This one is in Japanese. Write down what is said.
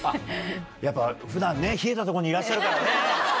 やっぱ、ふだんね、冷えた所にいらっしゃるからね。